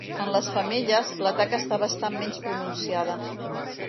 En les femelles, la taca està bastant menys pronunciada.